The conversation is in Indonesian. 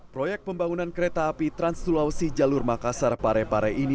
proyek pembangunan kereta api trans sulawesi jalur makassar parepare ini